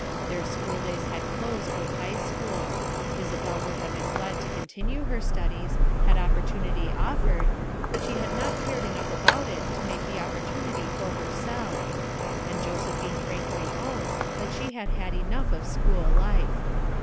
Their school days had closed with high school. Isabel would have been glad to continue her studies had opportunity offered, but she had not cared enough about it to make the opportunity for herself; and Josephine frankly owned that she had had enough of school life.